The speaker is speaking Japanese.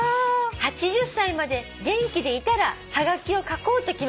「８０歳まで元気でいたらはがきを書こうと決めていました」